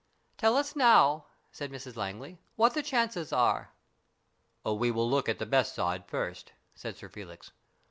"Tell us now," said Mrs Langley, "what the chances are." "We will look at the best side first," said Sir Felix.